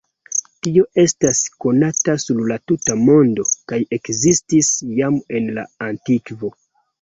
Tio estas konata sur la tuta mondo kaj ekzistis jam en la antikvo.